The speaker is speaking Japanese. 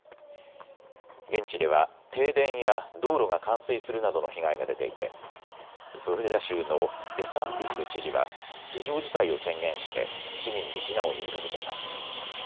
現地では停電や道路が冠水するなどの被害が出ていてフロリダ州のデサンティス知事は非常事態を宣言して市民に避難を呼びかけています。